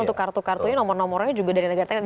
untuk kartu kartunya nomor nomornya juga dari negara tetangga